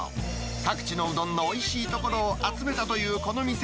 各地のうどんのおいしいところを集めたというこの店。